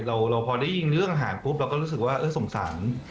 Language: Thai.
เราพอได้ยินเรื่องอาหารปุ๊บเราก็รู้สึกว่าสงสาร